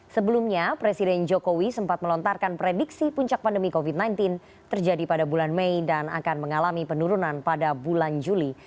sebelumnya presiden jokowi sempat melontarkan prediksi puncak pandemi covid sembilan belas terjadi pada bulan mei dan akan mengalami penurunan pada bulan juli